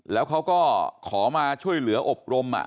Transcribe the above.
แล้วเขาก็ขอมาช่วยเหลืออบรม